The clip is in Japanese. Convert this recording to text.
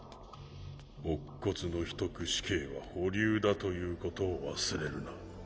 乙骨の秘匿死刑は保留だということを忘れるな。